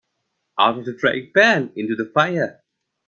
Out of the frying pan into the fire.